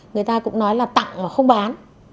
nói là tặng mà không bán